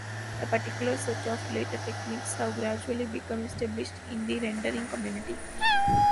A particular set of related techniques have gradually become established in the rendering community.